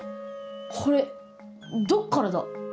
これどっからだ？